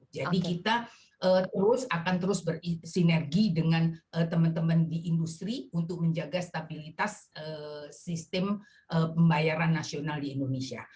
jadi kita akan terus bersinergi dengan teman teman di industri untuk menjaga stabilitas sistem pembayaran nasional di indonesia